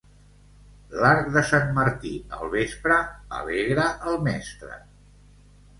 L'arc de sant Martí al vespre alegra el mestre.